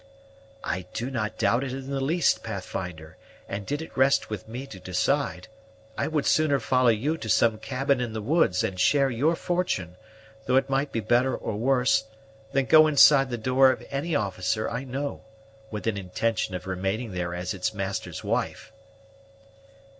"I do not doubt it in the least, Pathfinder; and, did it rest with me to decide, I would sooner follow you to some cabin in the woods, and share your fortune, whether it might be better or worse, than go inside the door of any officer I know, with an intention of remaining there as its master's wife."